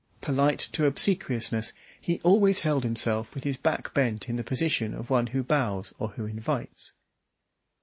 Polite to obsequiousness, he always held himself with his back bent in the position of one who bows or who invites.